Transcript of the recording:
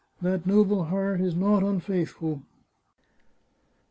" That noble heart is not unfaithful."